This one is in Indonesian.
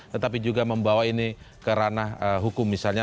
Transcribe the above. tetapi juga membawa ini ke ranah hukum misalnya